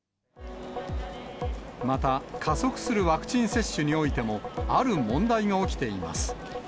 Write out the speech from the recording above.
また、加速するワクチン接種においても、ある問題が起きています。